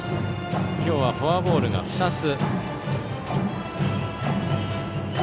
今日はフォアボールが２つ。